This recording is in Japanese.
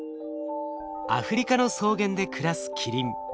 アフリカの草原で暮らすキリン。